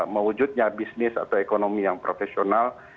mewujudnya bisnis atau ekonomi yang profesional